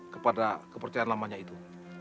kepada kepercayaan lamanya itu